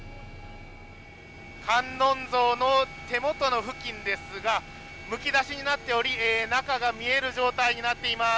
観音像の手元の付近ですがむき出しになっており中が見える状態になっています。